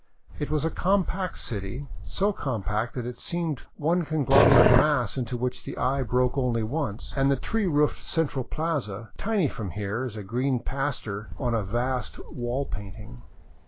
It was a compact city, so compact that it seemed one con glomerate mass into which the eye broke only once, — at the tree roofed central plaza, tiny from here as a green paster on a vast wall painting.